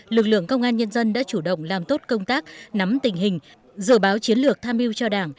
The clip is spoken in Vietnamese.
lực lượng công an nhân dân đã chủ động làm tốt công tác nắm tình hình dự báo chiến lược tham mưu cho đảng